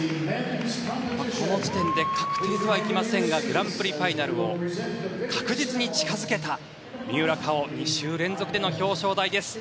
この時点で確定とはいきませんがグランプリファイナルを確実に近付けた三浦佳生２週連続での表彰台です。